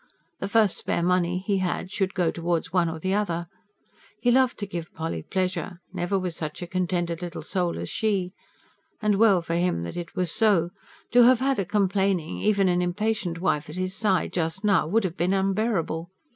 The first spare money he had should go towards one or the other. He loved to give Polly pleasure; never was such a contented little soul as she. And well for him that it was so. To have had a complaining, even an impatient wife at his side, just now, would have been unbearable.